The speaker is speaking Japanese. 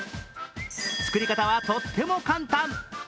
作り方はとっても簡単。